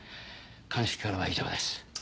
鑑識からは以上です。